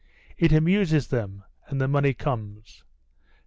"It amuses them, and the money comes."